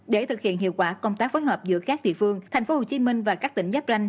để thực hiện hiệu quả công tác phối hợp giữa các địa phương tp hcm và các tỉnh giáp ranh